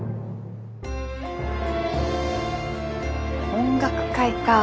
音楽会かあ。